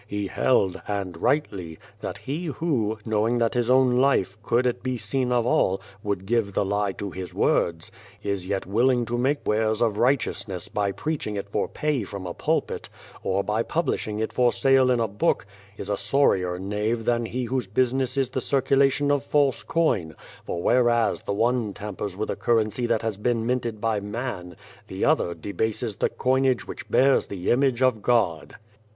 He held, and rightly, that he who, knowing that his own life, could it be seen of all, would give the lie to his words, is yet willing to make wares of righteousness by preaching it for pay from a pulpit, or by publishing it for sale in a book, is a sorrier knave than he whose busi ness is the circulation of false coin, for whereas the one tampers with a currency that has been minted by man, the other debases the coinage which bears the image of God.